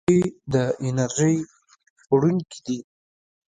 څپې د انرژۍ وړونکي دي.